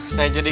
saya jadi gila